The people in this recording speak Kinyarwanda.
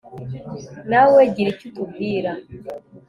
nawe gira icyo utubwira